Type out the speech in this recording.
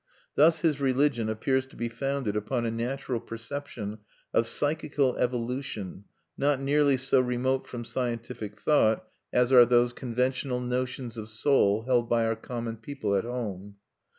Thus his religion appears to be founded upon a natural perception of psychical evolution not nearly so remote from scientific thought as are those conventional notions of soul held by our common people at home.